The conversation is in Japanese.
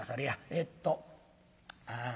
えっとああ